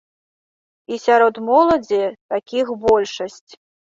І сярод моладзі такіх большасць.